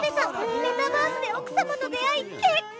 メタバースで奥様と出会い結婚。